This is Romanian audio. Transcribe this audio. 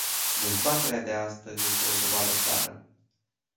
Dezbaterea de astăzi este o dovadă clară.